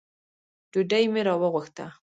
ډوډۍ مي راوغوښته .